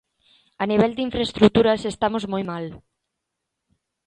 A nivel de infraestruturas estamos moi mal.